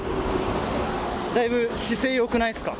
だいぶ姿勢よくないすか？